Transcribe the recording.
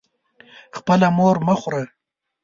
خپله مور مه خوره.